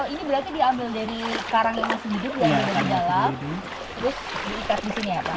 ini berarti diambil dari karang yang masih tidur diambil dari dalam terus diikat di sini ya pak